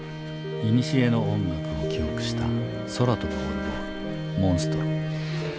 いにしえの音楽を記憶した空飛ぶオルゴール「モンストロ」。